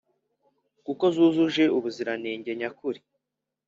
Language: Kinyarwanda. kuko zujuje ubuziranenge nyakuri